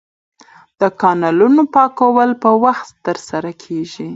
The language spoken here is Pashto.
د کانالونو پاکول په وخت ترسره کیږي.